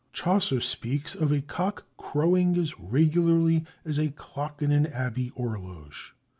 Chaucer speaks of a cock crowing as regularly "as a clock in an abbey orloge."